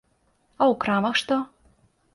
А ў крамах што?